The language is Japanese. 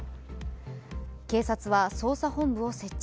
警察は捜査本部を設置。